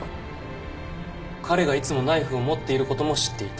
彼がいつもナイフを持っていることも知っていた。